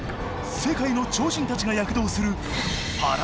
世界の超人たちが躍動する